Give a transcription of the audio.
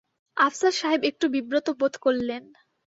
আফসার সাহেব একটু বিব্রত বোধ করলেন।